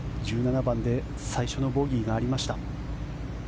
１７番で最初のボギーがありました。